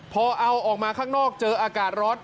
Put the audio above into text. พอเอาออกมาข้างนอกเจออากาศร้อน